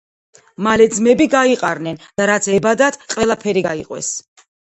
მალე ძმები გაიყარნენ და ,რაც ებადათ ყველაფერი გაიყვეს